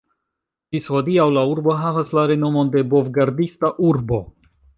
Ĝis hodiaŭ la urbo havas la renomon de "bov-gardista urbo".